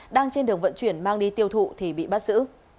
đang trên đường vận chuyển mang đi tiêu thụ thì bị bắt giữ